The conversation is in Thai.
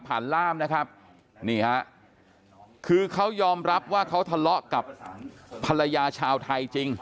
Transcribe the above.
ล่ามนะครับนี่ฮะคือเขายอมรับว่าเขาทะเลาะกับภรรยาชาวไทยจริง